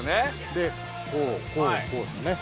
で、こう、こう、こうですよね。